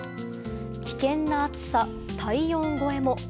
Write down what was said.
危険な暑さ、体温超えも。